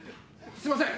すみません！